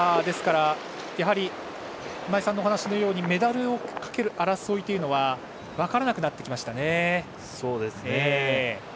ですから、やはり今井さんのお話のようにメダルをかける争いというのは分からなくなってきましたね。